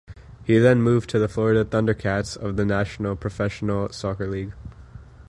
He then moved to the Florida ThunderCats of the National Professional Soccer League.